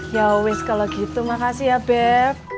ya wes kalo gitu makasih ya beb